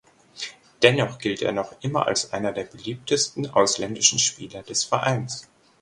Dennoch gilt er noch immer als einer der beliebtesten ausländischen Spieler des Vereins.